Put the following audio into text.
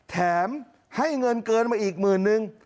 แถมให้เงินเกินมาอีกหมื่นนึง